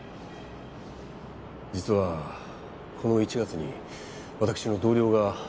実はこの１月にわたくしの同僚が。